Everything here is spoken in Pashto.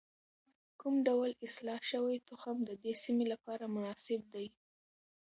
کوم ډول اصلاح شوی تخم د دې سیمې لپاره مناسب دی؟